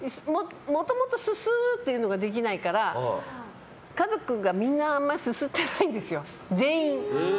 もともと、すするっていうのができないから家族がみんなあんまりすすってないんですよ、全員。